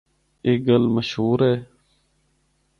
اے گل مشہور ہے۔